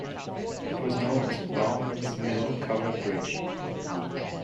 It was known as Bowman's Mill Covered Bridge.